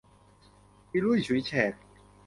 อีลุ่ยฉุยแฉก